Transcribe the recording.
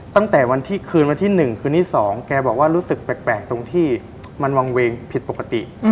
ตั้งแต่วันที่คืนวันที่๑คืนที่๒แกบอกว่ารู้สึกแปลกตรงที่มันวางเวงผิดปกติ